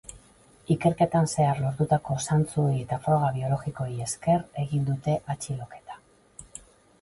Ikerketan zehar lortutako zantzuei eta froga biologikoei esker egin dute atxiloketa.